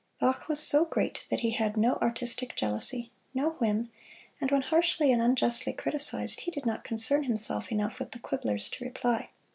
Bach was so great that he had no artistic jealousy, no whim, and when harshly and unjustly criticized he did not concern himself enough with the quibblers to reply.